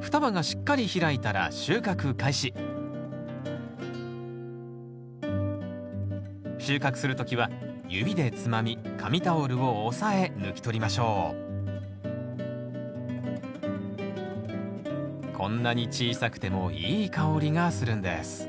双葉がしっかり開いたら収穫開始収穫する時は指でつまみ紙タオルを押さえ抜き取りましょうこんなに小さくてもいい香りがするんです